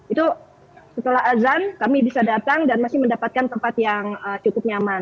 itu setelah azan kami bisa datang dan masih mendapatkan tempat yang cukup nyaman